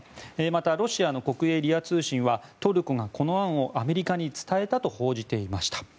また、ロシアの国営リア通信はトルコがこの案をアメリカに伝えたと報じていました。